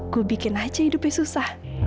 ku bikin aja hidupnya susah